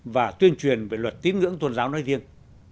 và tuyên truyền về luật tiếng ngưỡng tôn giáo nói riêng